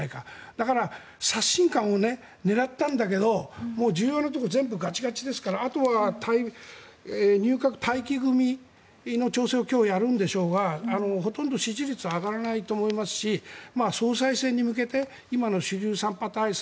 だから刷新感を狙ったんだけど重要なところ全部ガチガチですからあとは入閣待機組の調整を今日やるんでしょうがほとんど支持率は上がらないと思いますし総裁選に向けて今の主流３派体制